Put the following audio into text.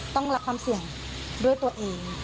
ต้องรับความเสี่ยงด้วยตัวเอง